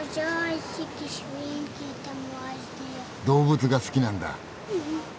動物が好きなんだ？